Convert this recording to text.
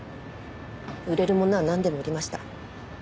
売れるものはなんでも売りました。